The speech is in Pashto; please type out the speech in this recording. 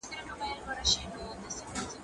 وخت تنظيم کړه!؟